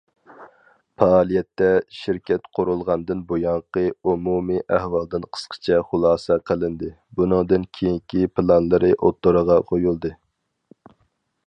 پائالىيەتتە، شىركەت قۇرۇلغاندىن بۇيانقى ئومۇمىي ئەھۋالدىن قىسقىچە خۇلاسە قىلىندى، بۇنىڭدىن كېيىنكى پىلانلىرى ئوتتۇرىغا قويۇلدى.